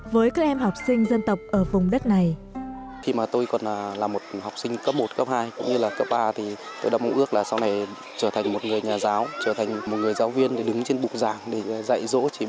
với các em học sinh dân tộc ở vùng đất này